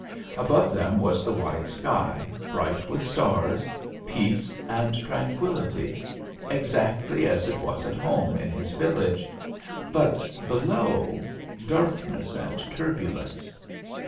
Above them was the wide sky, bright with stars, peace and tranquillity exactly as it was at home in his village; but below darkness and turbulence.